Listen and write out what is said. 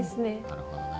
なるほどね。